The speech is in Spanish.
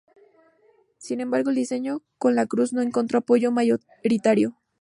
Sin embargo, el diseño con la cruz no encontró apoyo mayoritario.